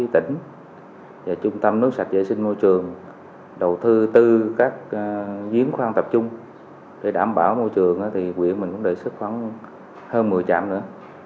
tỉnh và trung tâm nước sạch vệ sinh môi trường đầu tư tư các diễn khoan tập trung để đảm bảo môi trường thì quyền mình cũng đề xuất khoảng hơn một mươi trạm nữa